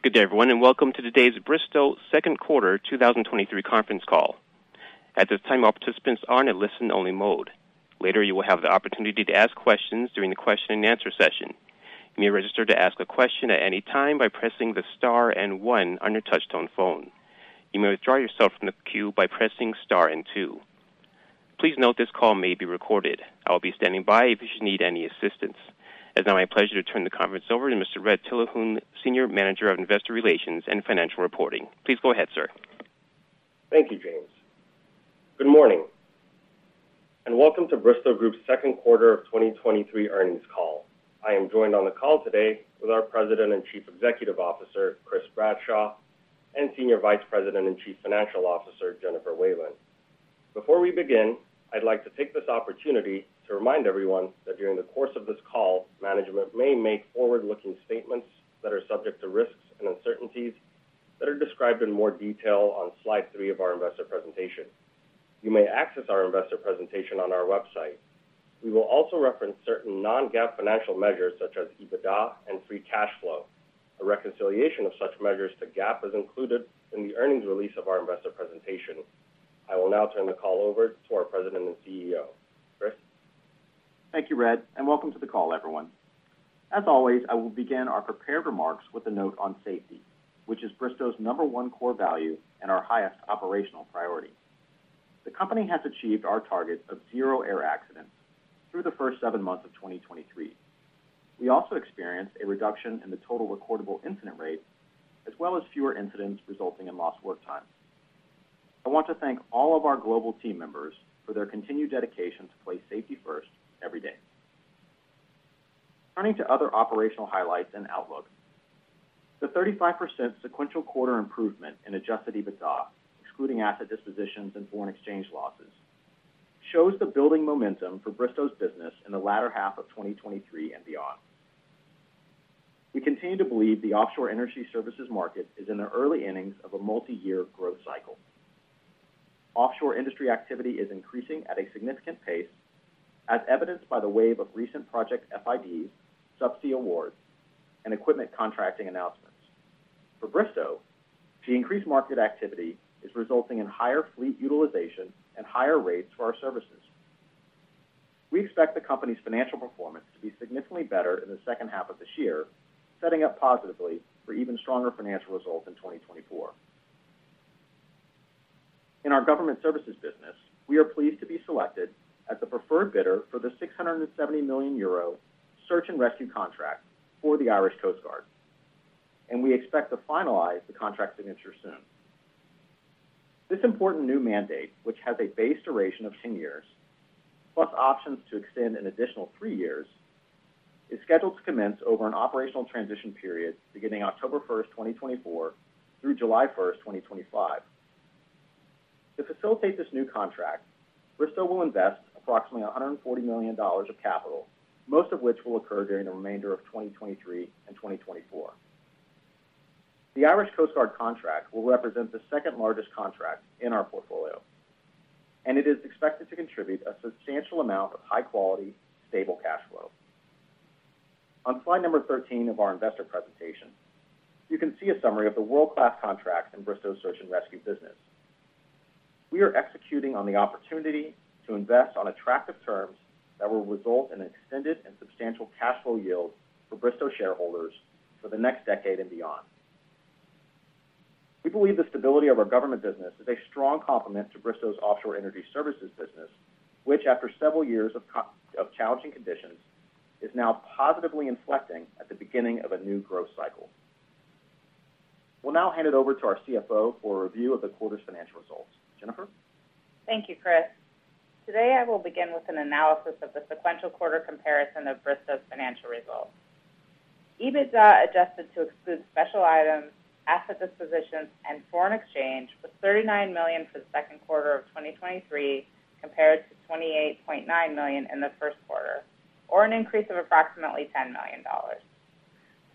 Good day, everyone, and welcome to today's Bristow second quarter 2023 conference call. At this time, all participants are in a listen-only mode. Later, you will have the opportunity to ask questions during the question and answer session. You may register to ask a question at any time by pressing the star and one on your touchtone phone. You may withdraw yourself from the queue by pressing star and two. Please note, this call may be recorded. I will be standing by if you should need any assistance. It's now my pleasure to turn the conference over to Mr. Red Tilahun, Senior Manager of Investor Relations and Financial Reporting. Please go ahead, sir. Thank you, James. Good morning. Welcome to Bristow Group's second quarter of 2023 earnings call. I am joined on the call today with our President and Chief Executive Officer, Chris Bradshaw, and Senior Vice President and Chief Financial Officer, Jennifer Whalen. Before we begin, I'd like to take this opportunity to remind everyone that during the course of this call, management may make forward-looking statements that are subject to risks and uncertainties that are described in more detail on slide three of our investor presentation. You may access our investor presentation on our website. We will also reference certain non-GAAP financial measures, such as EBITDA and free cash flow. A reconciliation of such measures to GAAP is included in the earnings release of our investor presentation. I will now turn the call over to our President and CEO. Chris? Thank you, Red, welcome to the call, everyone. As always, I will begin our prepared remarks with a note on safety, which is Bristow's number one core value and our highest operational priority. The company has achieved our target of zero air accidents through the first seven months of 2023. We also experienced a reduction in the total recordable incident rate, as well as fewer incidents resulting in lost work time. I want to thank all of our global team members for their continued dedication to place safety first every day. Turning to other operational highlights and outlook. The 35% sequential quarter improvement in adjusted EBITDA, excluding asset dispositions and foreign exchange losses, shows the building momentum for Bristow's business in the latter half of 2023 and beyond. We continue to believe the offshore energy services market is in the early innings of a multi-year growth cycle. Offshore industry activity is increasing at a significant pace, as evidenced by the wave of recent project FIDs, subsea awards, and equipment contracting announcements. For Bristow, the increased market activity is resulting in higher fleet utilization and higher rates for our services. We expect the company's financial performance to be significantly better in the second half of this year, setting up positively for even stronger financial results in 2024. In our government services business, we are pleased to be selected as the preferred bidder for the 670 million euro search and rescue contract for the Irish Coast Guard. We expect to finalize the contract signature soon. This important new mandate, which has a base duration of 10 years, plus options to extend an additional three years, is scheduled to commence over an operational transition period beginning October 1st, 2024, through July 1st, 2025. To facilitate this new contract, Bristow will invest approximately $140 million of capital, most of which will occur during the remainder of 2023 and 2024. The Irish Coast Guard contract will represent the second-largest contract in our portfolio. It is expected to contribute a substantial amount of high-quality, stable cash flow. On slide number 13 of our investor presentation, you can see a summary of the world-class contracts in Bristow's search and rescue business. We are executing on the opportunity to invest on attractive terms that will result in an extended and substantial cash flow yield for Bristow shareholders for the next decade and beyond. We believe the stability of our government business is a strong complement to Bristow's Offshore Energy Services business, which, after several years of challenging conditions, is now positively inflecting at the beginning of a new growth cycle. We'll now hand it over to our CFO for a review of the quarter's financial results. Jennifer? Thank you, Chris. Today, I will begin with an analysis of the sequential quarter comparison of Bristow's financial results. EBITDA, adjusted to exclude special items, asset dispositions, and foreign exchange, was $39 million for the 2Q 2023, compared to $28.9 million in the 1Q, or an increase of approximately $10 million.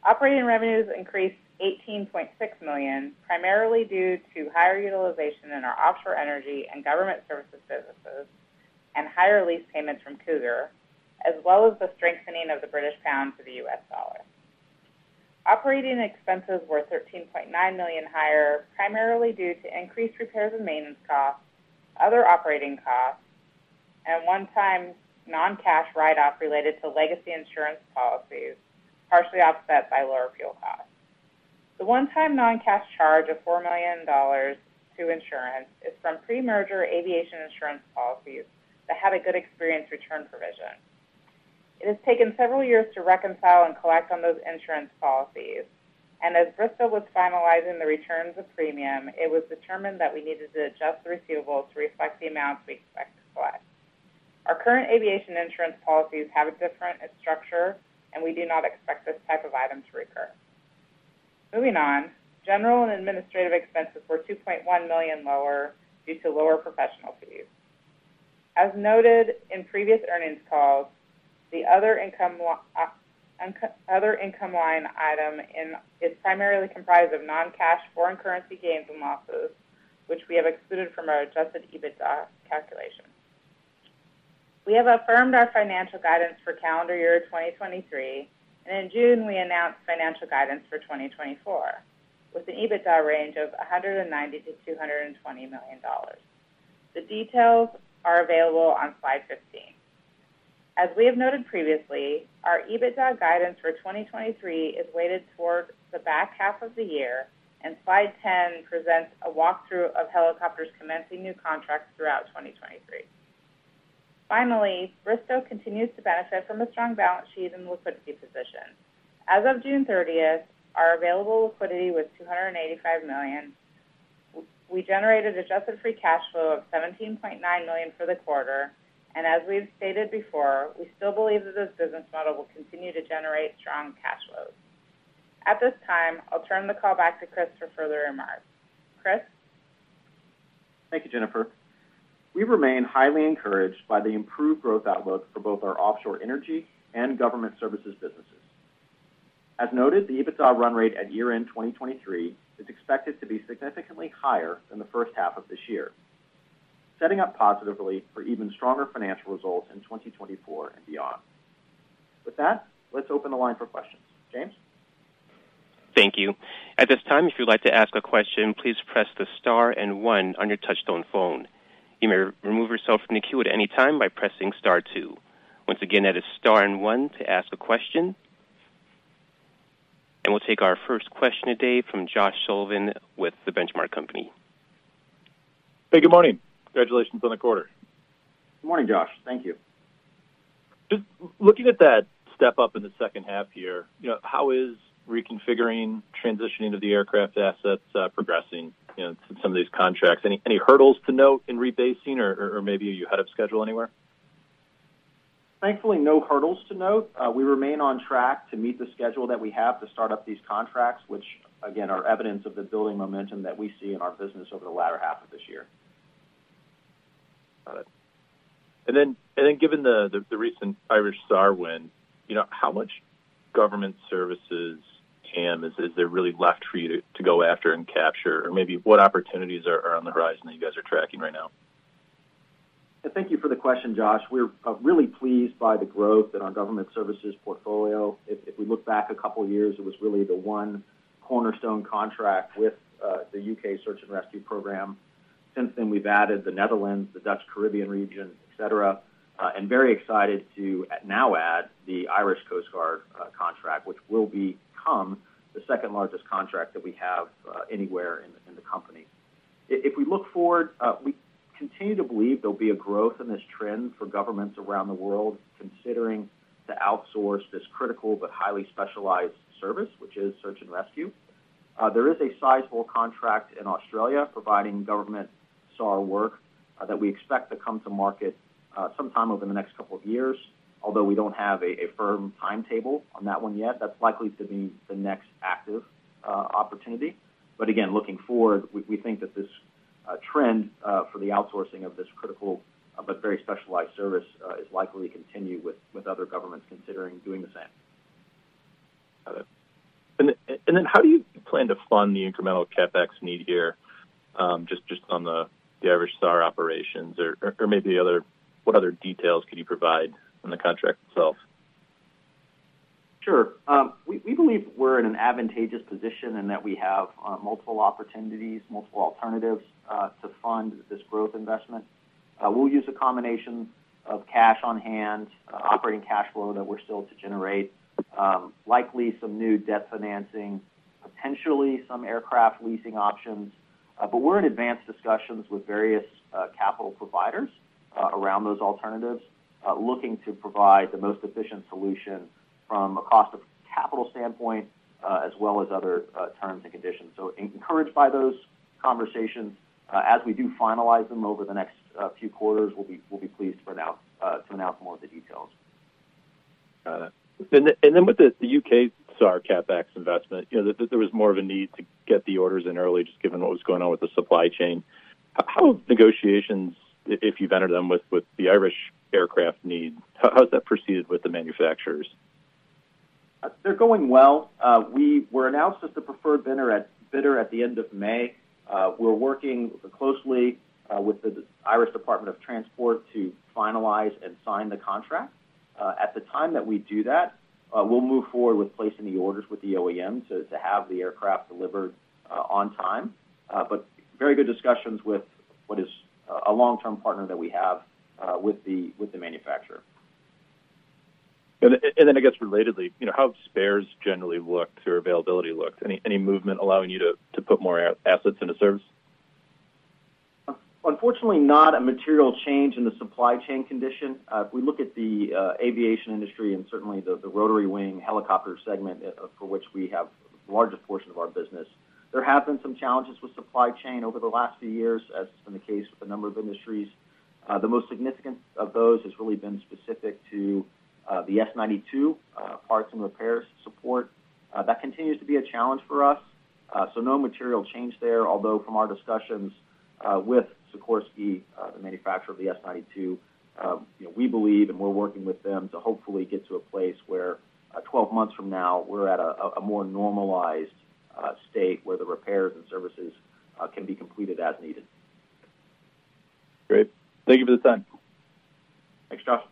Operating revenues increased $18.6 million, primarily due to higher utilization in our offshore energy and government services businesses and higher lease payments from Cougar, as well as the strengthening of the British pound to the US dollar. Operating expenses were $13.9 million higher, primarily due to increased repairs and maintenance costs, other operating costs, and a one-time non-cash write-off related to legacy insurance policies, partially offset by lower fuel costs. The one-time non-cash charge of $4 million to insurance is from pre-merger aviation insurance policies that had a good experience return provision. It has taken several years to reconcile and collect on those insurance policies, and as Bristow was finalizing the returns of premium, it was determined that we needed to adjust the receivable to reflect the amounts we expect to collect. Our current aviation insurance policies have a different structure, and we do not expect this type of item to recur. Moving on, general and administrative expenses were $2.1 million lower due to lower professional fees. As noted in previous earnings calls, the other income. Other income line item is primarily comprised of non-cash foreign currency gains and losses, which we have excluded from our adjusted EBITDA calculation. We have affirmed our financial guidance for calendar year 2023. In June, we announced financial guidance for 2024, with an EBITDA range of $190 million-$220 million. The details are available on slide 15. As we have noted previously, our EBITDA guidance for 2023 is weighted toward the back half of the year. Slide 10 presents a walkthrough of helicopters commencing new contracts throughout 2023. Finally, Bristow continues to benefit from a strong balance sheet and liquidity position. As of June 30th, our available liquidity was $285 million. We generated adjusted free cash flow of $17.9 million for the quarter, and as we've stated before, we still believe that this business model will continue to generate strong cash flows. At this time, I'll turn the call back to Chris for further remarks. Chris? Thank you, Jennifer. We remain highly encouraged by the improved growth outlook for both our offshore energy and government services businesses. As noted, the EBITDA run rate at year-end 2023 is expected to be significantly higher than the first half of this year, setting up positively for even stronger financial results in 2024 and beyond. With that, let's open the line for questions. James? Thank you. At this time, if you'd like to ask a question, please press the star and one on your touchtone phone. You may re-remove yourself from the queue at any time by pressing star two. Once again, that is star and one to ask a question. We'll take our first question today from Josh Sullivan with The Benchmark Company. Hey, good morning. Congratulations on the quarter. Good morning, Josh. Thank you. Just looking at that step-up in the second half here, you know, how is reconfiguring, transitioning to the aircraft assets, progressing, you know, to some of these contracts? Any, any hurdles to note in rebasing or, or maybe are you ahead of schedule anywhere? Thankfully, no hurdles to note. We remain on track to meet the schedule that we have to start up these contracts, which, again, are evidence of the building momentum that we see in our business over the latter half of this year. Got it. Then, and then given the recent Irish SAR win, you know, how much government services TAM is there really left for you to go after and capture? Or maybe what opportunities are on the horizon that you guys are tracking right now? Thank you for the question, Josh. We're really pleased by the growth in our government services portfolio. If we look back a couple of years, it was really the one cornerstone contract with the UK Search and Rescue program. Since then, we've added the Netherlands, the Dutch Caribbean region, et cetera, and very excited to now add the Irish Coast Guard contract, which will become the second-largest contract that we have anywhere in the company. If we look forward, we continue to believe there'll be a growth in this trend for governments around the world considering to outsource this critical but highly specialized service, which is search and rescue. There is a sizable contract in Australia providing government SAR work, that we expect to come to market, sometime over the next couple of years, although we don't have a firm timetable on that one yet. That's likely to be the next active opportunity. Again, looking forward, we, we think that this trend, for the outsourcing of this critical but very specialized service, is likely to continue with, with other governments considering doing the same. Got it. How do you plan to fund the incremental CapEx need here, just on the Irish SAR operations? What other details could you provide on the contract itself? We're in an advantageous position and that we have multiple opportunities, multiple alternatives to fund this growth investment. We'll use a combination of cash on hand, operating cash flow that we're still to generate, likely some new debt financing, potentially some aircraft leasing options. But we're in advanced discussions with various capital providers around those alternatives, looking to provide the most efficient solution from a cost of capital standpoint, as well as other terms and conditions. Encouraged by those conversations. As we do finalize them over the next few quarters, we'll be pleased to announce more of the details. Got it. With the U.K. SAR CapEx investment, you know, there was more of a need to get the orders in early, just given what was going on with the supply chain. How have negotiations, if you've entered them with the Irish aircraft needs, how has that proceeded with the manufacturers? They're going well. We were announced as the preferred bidder at the end of May. We're working closely with the Irish Department of Transport to finalize and sign the contract. At the time that we do that, we'll move forward with placing the orders with the OEM to have the aircraft delivered on time. Very good discussions with what is a long-term partner that we have with the manufacturer. I guess, relatedly, you know, how have spares generally looked or availability looked? Any, any movement allowing you to, to put more assets into service? Unfortunately, not a material change in the supply chain condition. If we look at the aviation industry and certainly the rotary wing helicopter segment, for which we have the largest portion of our business, there have been some challenges with supply chain over the last few years, as has been the case with a number of industries. The most significant of those has really been specific to the S-92 parts and repairs support. That continues to be a challenge for us, so no material change there, although from our discussions with Sikorsky, the manufacturer of the S-92, you know, we believe and we're working with them to hopefully get to a place where 12 months from now, we're at a more normalized state where the repairs and services. can be completed as needed. Great. Thank you for the time. Thanks, Josh.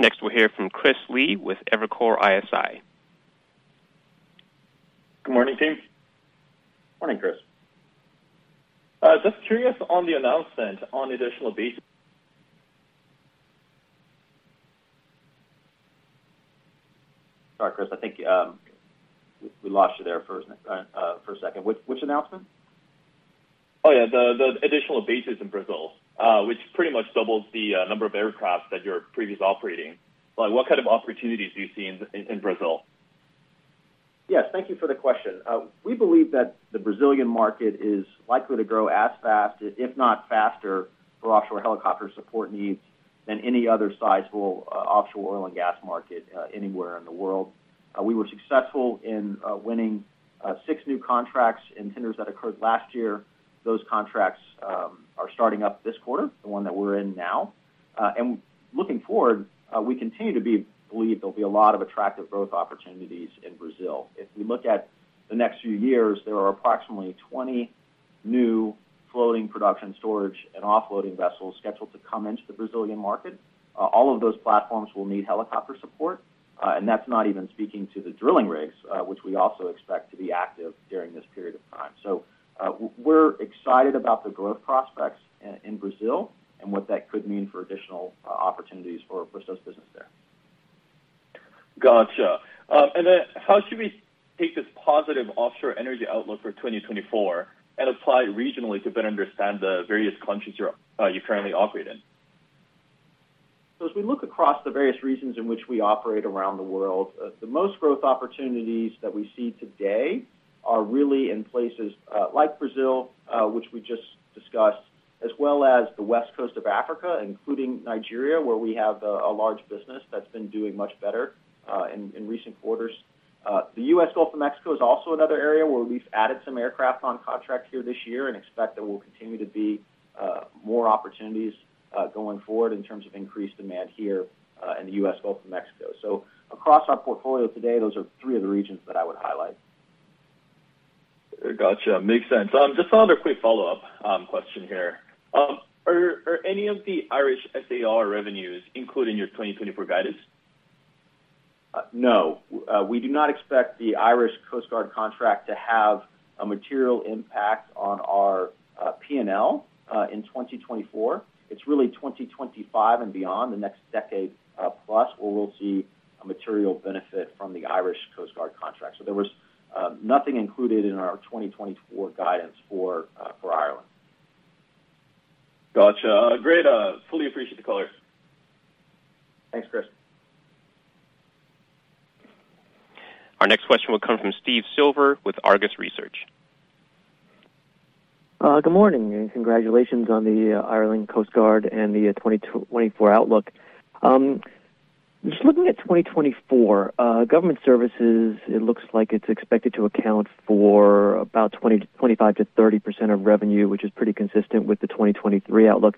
Next, we'll hear from Chris Lee with Evercore ISI. Good morning, team. Morning, Chris. Just curious on the announcement on additional base. Sorry, Chris, I think, we lost you there for a, for a second. Which, which announcement? Oh, yeah, the, the additional bases in Brazil, which pretty much doubles the number of aircraft that you're previously operating. Like, what kind of opportunities do you see in, in Brazil? Yes, thank you for the question. We believe that the Brazilian market is likely to grow as fast, if not faster, for offshore helicopter support needs than any other sizable offshore oil and gas market anywhere in the world. We were successful in winning 6 new contracts in tenders that occurred last year. Those contracts are starting up this quarter, the one that we're in now. Looking forward, we continue to believe there'll be a lot of attractive growth opportunities in Brazil. If we look at the next few years, there are approximately 20 new floating production storage and offloading vessels scheduled to come into the Brazilian market. All of those platforms will need helicopter support, and that's not even speaking to the drilling rigs, which we also expect to be active during this period of time. We're excited about the growth prospects in Brazil and what that could mean for additional opportunities for Bristow's business there. Gotcha. Then how should we take this positive offshore energy outlook for 2024 and apply it regionally to better understand the various countries you're currently operate in? As we look across the various regions in which we operate around the world, the most growth opportunities that we see today are really in places, like Brazil, which we just discussed, as well as the west coast of Africa, including Nigeria, where we have a large business that's been doing much better in recent quarters. The U.S. Gulf of Mexico is also another area where we've added some aircraft on contract here this year and expect there will continue to be more opportunities going forward in terms of increased demand here in the U.S. Gulf of Mexico. Across our portfolio today, those are three of the regions that I would highlight. Gotcha. Makes sense. Just another quick follow-up question here. Are, are any of the Irish SAR revenues included in your 2024 guidance? No. We do not expect the Irish Coast Guard contract to have a material impact on our P&L in 2024. It's really 2025 and beyond, the next decade plus, where we'll see a material benefit from the Irish Coast Guard contract. There was nothing included in our 2024 guidance for for Ireland. Gotcha. Great. fully appreciate the color. Thanks, Chris. Our next question will come from Steve Silver with Argus Research. Good morning, congratulations on the Irish Coast Guard and the 2024 outlook. Just looking at 2024 government services, it looks like it's expected to account for about 25%-30% of revenue, which is pretty consistent with the 2023 outlook.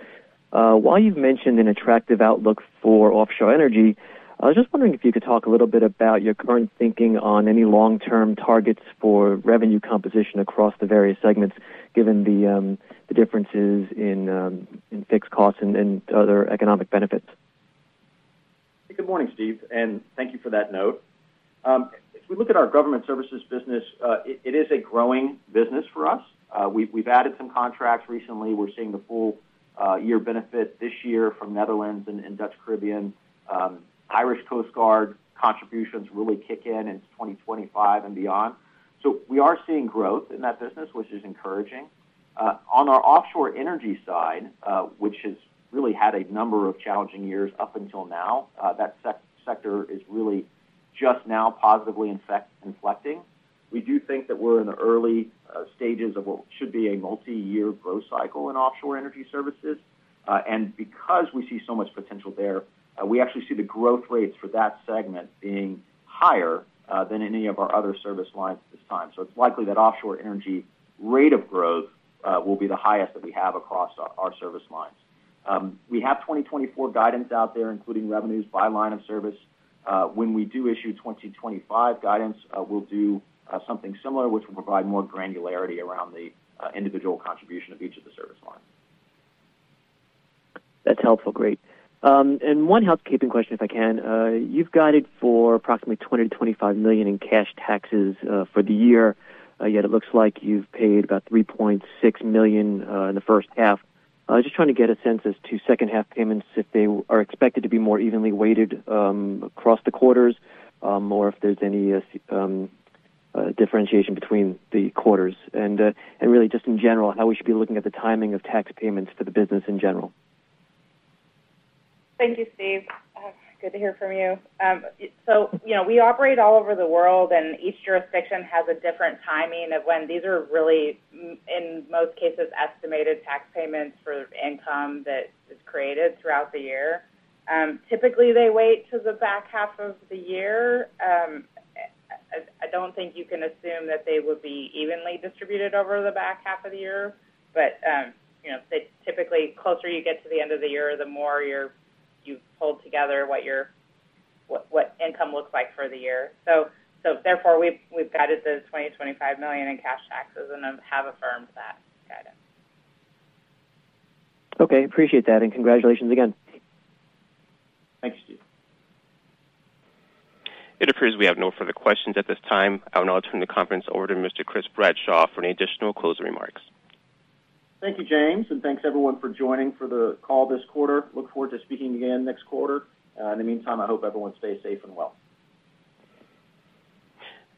While you've mentioned an attractive outlook for offshore energy, I was just wondering if you could talk a little bit about your current thinking on any long-term targets for revenue composition across the various segments, given the differences in fixed costs and other economic benefits. Good morning, Steve, thank you for that note. If we look at our government services business, it is a growing business for us. We've added some contracts recently. We're seeing the full year benefit this year from Netherlands and Dutch Caribbean. Irish Coast Guard contributions really kick in in 2025 and beyond. We are seeing growth in that business, which is encouraging. On our offshore energy side, which has really had a number of challenging years up until now, that sector is really just now positively, in fact, inflecting. We do think that we're in the early stages of what should be a multiyear growth cycle in offshore energy services. Because we see so much potential there, we actually see the growth rates for that segment being higher than any of our other service lines at this time. It's likely that offshore energy rate of growth will be the highest that we have across our, our service lines. We have 2024 guidance out there, including revenues by line of service. When we do issue 2025 guidance, we'll do something similar, which will provide more granularity around the individual contribution of each of the service lines. That's helpful. Great. One housekeeping question, if I can. You've guided for approximately $20 million-$25 million in cash taxes for the year. Yet it looks like you've paid about $3.6 million in the first half. I was just trying to get a sense as to second half payments, if they are expected to be more evenly weighted across the quarters, or if there's any differentiation between the quarters. Really just in general, how we should be looking at the timing of tax payments for the business in general. Thank you, Steve. Good to hear from you. So you know, we operate all over the world, and each jurisdiction has a different timing of when these are really, in most cases, estimated tax payments for income that is created throughout the year. Typically, they wait to the back half of the year. I, I don't think you can assume that they would be evenly distributed over the back half of the year, but, you know, typically, closer you get to the end of the year, the more you've pulled together what your, what income looks like for the year. Therefore, we've, we've guided the $20 million-$25 million in cash taxes and then have affirmed that guidance. Okay, appreciate that, and congratulations again. Thank you, Steve. It appears we have no further questions at this time. I will now turn the conference over to Mr. Chris Bradshaw for any additional closing remarks. Thank you, James, and thanks, everyone, for joining for the call this quarter. Look forward to speaking again next quarter. In the meantime, I hope everyone stays safe and well.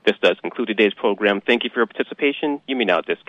This does conclude today's program. Thank you for your participation. You may now disconnect.